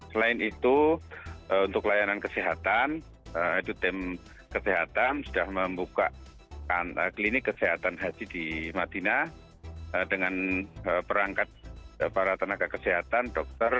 selain itu untuk layanan kesehatan itu tim kesehatan sudah membuka klinik kesehatan haji di madinah dengan perangkat para tenaga kesehatan dokter